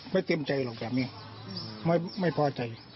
ไม่เตรียมใจหรอกแบบนี้ไม่พอใจ